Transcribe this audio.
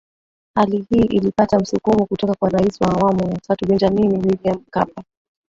Hali hii ilipata msukumo kutoka kwa Rais wa awamu ya tatu Benjamini Wiliam Mkapa